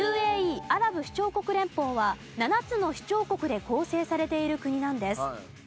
アラブ首長国連邦は７つの首長国で構成されている国なんです。